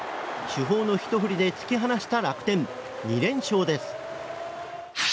主砲のひと振りで突き放した楽天２連勝です。